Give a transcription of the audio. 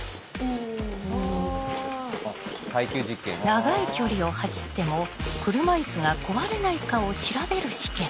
長い距離を走っても車いすが壊れないかを調べる試験。